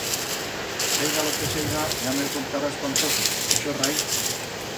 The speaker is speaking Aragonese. Seiga lo que seiga ya me'l contarás cuan toque, ixo rai.